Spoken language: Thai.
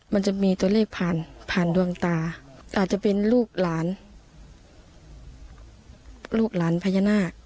มันจะมีตัวเลขผ่านผ่านดวงตาอาจจะเป็นลูกหลานลูกหลานพญานาค